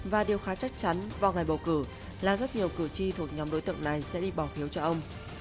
và điều khá chắc chắn vào ngày bầu cử là rất nhiều cử tri thuộc nhóm đối tượng này sẽ đi bỏ phiếu cho ông